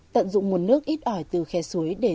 tận dụng nguồn nước ít ỏi từ khe suối